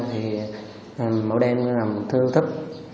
thì mỗi đêm làm thư thức